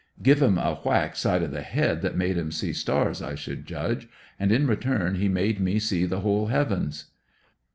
Give him a whack side of the head that made him see stars I should judge, and in return he made me see the whole heavens.